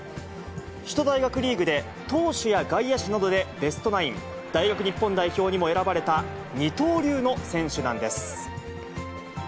首都大学リーグで投手や外野手などでベストナイン、大学日本代表にも選ばれた二刀流の選手なんです。